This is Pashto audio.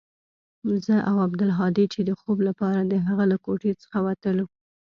زه او عبدالهادي چې د خوب لپاره د هغه له کوټې څخه وتلو.